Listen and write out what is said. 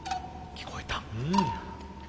聞こえた。